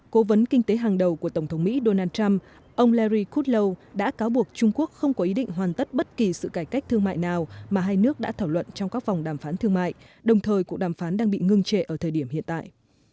cố vấn kinh tế hàng đầu của tổng thống mỹ donald trump ông larry kudlow đã cáo buộc trung quốc không có ý định hoàn tất bất kỳ sự cải cách thương mại nào mà hai nước đã thảo luận trong các vòng đàm phán thương mại đồng thời cuộc đàm phán đang bị ngưng trệ ở thời điểm hiện tại